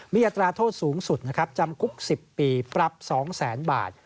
มีอัตราโทษสูงสุดจำกุ๊ก๑๐ปีปรับ๒๐๐๐๐๐บาท